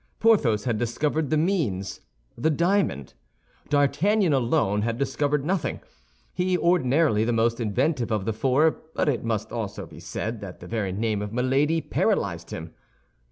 Porthos had discovered the means, the diamond. D'Artagnan alone had discovered nothing—he, ordinarily the most inventive of the four; but it must be also said that the very name of Milady paralyzed him.